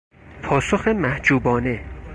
پاسخ محجوبانه